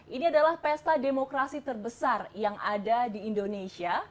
ini adalah pesta demokrasi terbesar yang ada di indonesia